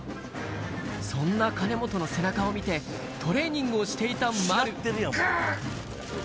そんな金本の背中を見て、トレーニングをしていた丸。